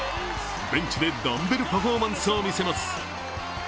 ベンチでダンベルパフォーマンスを見せます。